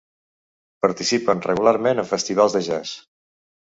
Participen regularment en festivals de jazz.